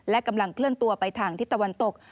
และกำลังเคลื่อนตัวไปทางทิศตะวันตก